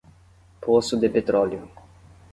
Poço de petróleo